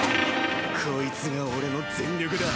こいつが俺の全力だ！